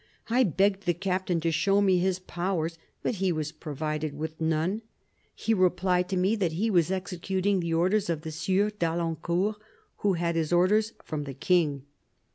I begged the captain to show me his powers, but he was provided with none. He replied to me that he was executing the orders of the Sieur d'Alincourt, who had his orders from the King.